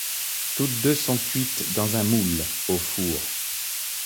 Toutes deux sont cuites dans un moule, au four.